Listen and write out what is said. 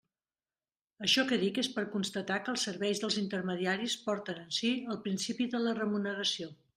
Això que dic és per constatar que els serveis dels intermediaris porten en si el principi de la remuneració.